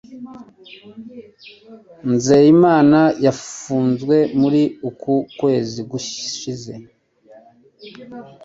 Nzeyimana yafunzwe muri uku kwezi gushize